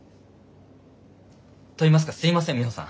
といいますかすいませんミホさん